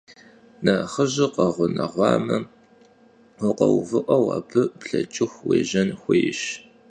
Nexhı jır kheğuneğuame, vukheuvı'eu ar bleç'ıxu vuêjen xuêyş.